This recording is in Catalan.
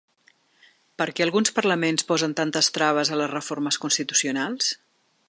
Per què alguns parlaments posen tantes traves a les reformes constitucionals?